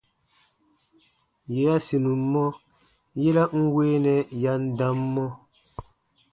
Yè ya sinum mɔ, yera n weenɛ ya n dam mɔ.